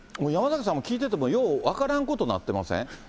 山崎さんも聞いてても、よう分からんことになってません？